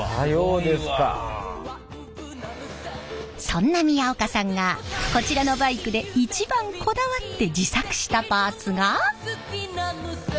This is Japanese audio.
そんな宮岡さんがこちらのバイクで一番こだわって自作したパーツが。